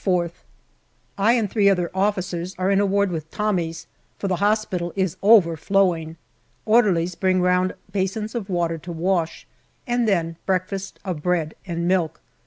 July I and three other officers are in a ward with Tommies, for the hospital is overflowing. Orderlies bring around basins of water to wash, and then breakfast of bread and milk.